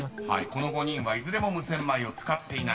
［この５人はいずれも無洗米を使っていない］